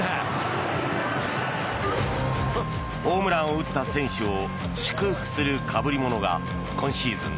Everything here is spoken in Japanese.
ホームランを打った選手を祝福するかぶり物が今シーズン